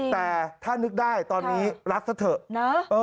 แต่ถ้านึกได้ตอนนี้รัดเสียเผลอ